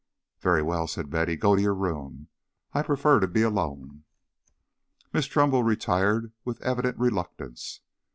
"Very well," said Betty. "Go to your room. I prefer to be alone." Miss Trumbull retired with evident reluctance.